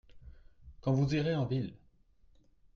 Quand vous irez en ville.